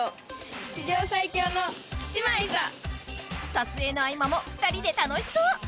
撮影の合間も２人で楽しそう！